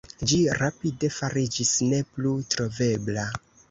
Ĝi rapide fariĝis ne plu trovebla.